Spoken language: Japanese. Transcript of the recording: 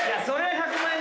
１００万円。